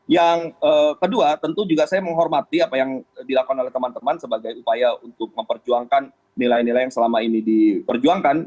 yang kedua tentu juga saya menghormati apa yang dilakukan oleh teman teman sebagai upaya untuk memperjuangkan nilai nilai yang selama ini diperjuangkan